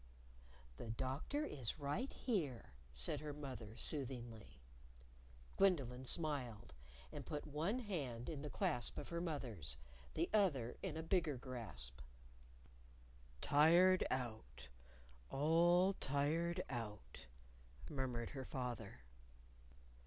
"The Doctor is right here," said her mother, soothingly. Gwendolyn smiled. And put one hand in the clasp of her mother's, the other in a bigger grasp. "Tired out all tired out," murmured her father.